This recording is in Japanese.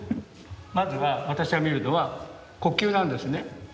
まずは私が見るのは呼吸なんですね。